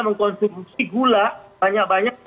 mengkonsumsi gula banyak banyak